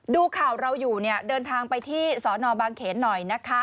ดูข่าวเราอยู่เนี่ยเดินทางไปที่สนบางเขนหน่อยนะคะ